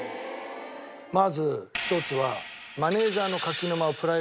まず１つは。